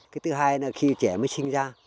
cái thứ hai là khi trẻ mới sinh ra